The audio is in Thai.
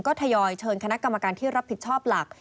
ก็ทยอยเชิญคณะกรรมการที่รับผิดชอบหลัก